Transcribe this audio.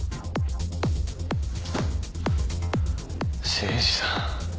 誠司さん。